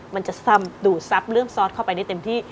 มันจะทำดูดซับเรื่องซอสเข้าไปได้เต็มที่